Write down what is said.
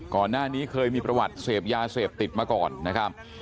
ก่อนหน้านี้เคยมีประวัติเสพยาเสพติดมาก่อนนะครับ